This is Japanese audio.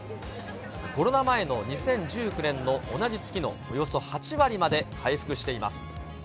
コロナ前の２０１９年の同じ月のおよそ８割まで回復しています。